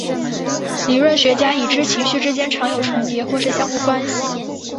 理论学家已知情绪之间常有重叠或是相互关系。